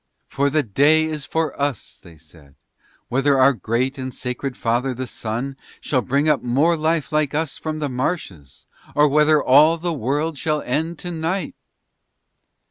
"For the day is for us," they said, "whether our great and sacred father the Sun shall bring up more life like us from the marshes, or whether all the world shall end to night."